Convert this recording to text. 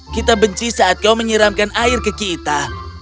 kita benci saat kau menyiramkan air ke kita